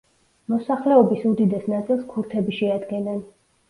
მოსახლეობის უდიდეს ნაწილს ქურთები შეადგენენ.